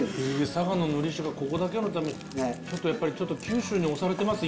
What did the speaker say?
佐賀の海苔職人がここだけのためにちょっとやっぱり九州に押されてます